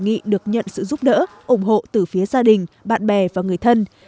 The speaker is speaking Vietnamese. chưa nhận được sự ủng hộ đấy từ gia đình và người thân